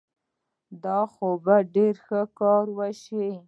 دا خو به ډېر ښه کار وشي.